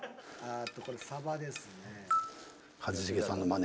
これサバですね。